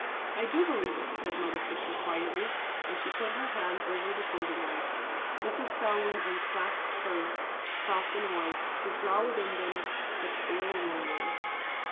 "I do believe it," said Mother Fisher, quietly, and she put her hand over the folded ones. Mrs. Selwyn unclasped hers, soft and white, to draw within them the toil worn one.